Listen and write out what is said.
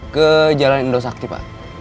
ke jalan indosakti pak